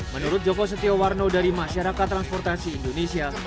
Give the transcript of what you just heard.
menurut joko setiawarno dari masyarakat transportasi indonesia